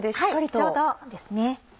ちょうどですね。